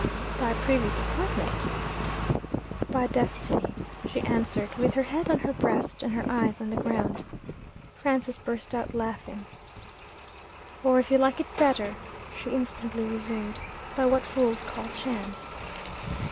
'By previous appointment?' 'By Destiny,' she answered, with her head on her breast, and her eyes on the ground. Francis burst out laughing. 'Or, if you like it better,' she instantly resumed, 'by what fools call Chance.'